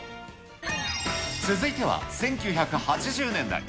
続いては１９８０年代。